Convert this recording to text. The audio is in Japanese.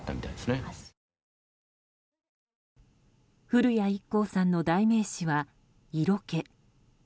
古谷一行さんの代名詞は、色気。